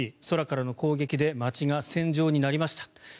空からの攻撃で街が戦場になりました。